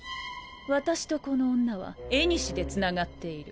私とこの女は縁で繋がっている。